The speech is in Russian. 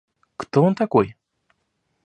Кто он такой?